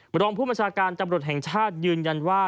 รองผู้บัญชาการตำรวจแห่งชาติยืนยันว่า